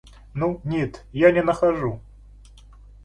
Ну, нет, я не нахожу.